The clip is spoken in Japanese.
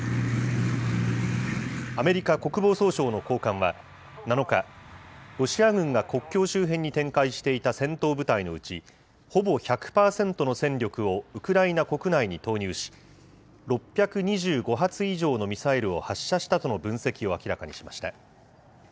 アメリカ国防総省の高官は７日、ロシア軍が国境周辺に展開していた戦闘部隊のうち、ほぼ１００％の戦力をウクライナ国内に投入し、６２５発以上のミサイルを発射したとの分析を明らかにしました。